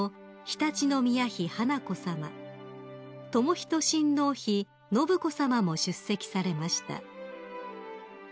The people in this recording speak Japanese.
仁親王妃信子さまも出席されました］